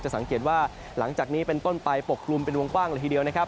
สังเกตว่าหลังจากนี้เป็นต้นไปปกกลุ่มเป็นวงกว้างเลยทีเดียวนะครับ